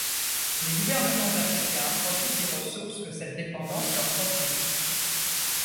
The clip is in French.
Les gouvernements africains profitent des ressources que cette dépendance leur procure.